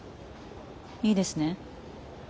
いいですね？